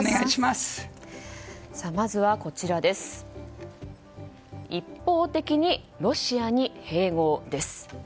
まずは一方的にロシアに併合です。